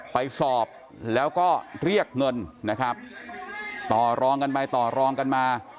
ไปสอบแล้วก็เรียกเงินนะครับต่อรองกันไปต่อรองกันมา